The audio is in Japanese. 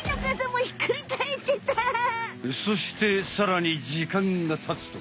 そしてさらにじかんがたつと。